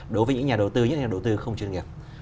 đối với những nhà đầu tư những nhà đầu tư không chuyên nghiệp